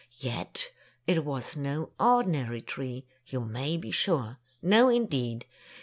Yet it was no ordinary tree, you may be sure. No, indeed!